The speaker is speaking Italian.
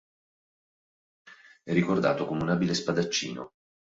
È ricordato come un abile spadaccino.